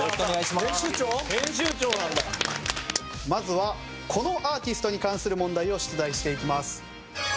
まずはこのアーティストに関する問題を出題していきます。